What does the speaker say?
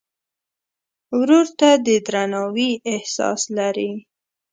ورور ته د درناوي احساس لرې.